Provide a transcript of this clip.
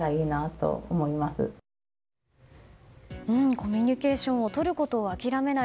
コミュニケーションをとることを諦めない。